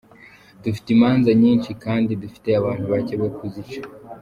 Dufite imanza nyinshi, kandi dufite abantu bake bo kuzica.